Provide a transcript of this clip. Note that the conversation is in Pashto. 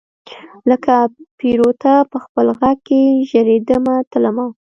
لکه پیروته پخپل غیږ کې ژریدمه تلمه